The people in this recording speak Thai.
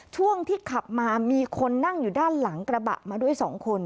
ช่วงที่ขับมามีคนนั่งอยู่ด้านหลังกระบะมาด้วย๒คน